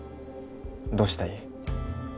どうしたい？